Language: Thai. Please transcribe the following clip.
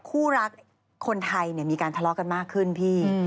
คู่รักคนไทยมีการทะเลาะกันมากขึ้นพี่